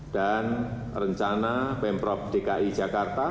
dan rencana pemprov dki jakarta